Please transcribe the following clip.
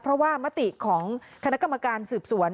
เพราะว่ามติของคณะกรรมการสืบสวน